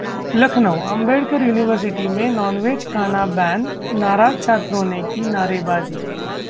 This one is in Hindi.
लखनऊ: अंबेडकर यूनिवर्सिटी में नॉनवेज खाना बैन, नाराज छात्रों ने की नारेबाजी